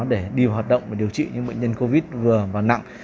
để điều trị những bệnh nhân covid vừa và nặng